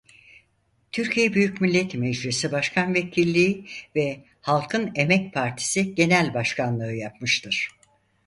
Türkiye Büyük Millet Meclisi Başkanvekilliği ve Halkın Emek Partisi Genel Başkanlığı yapmıştır.